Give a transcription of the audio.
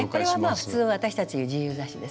普通私たち自由刺しですね。